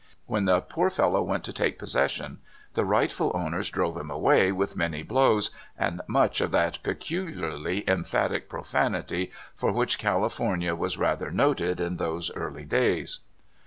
When the poor fellow went to take possession, the rightful owners drove him away with many blows and much of that peculiarly emphatic profanit}^ for which California was rather noted in those early days.